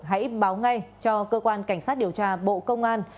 hãy báo ngay cho cơ quan cảnh sát điều tra bộ công an